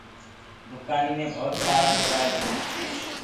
دُڪآنيٚ مي ڀوت سآرآ موبآئل هينٚ